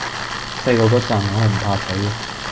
細個嗰陣，我係唔怕死嘅